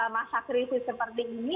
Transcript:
masa krisis seperti ini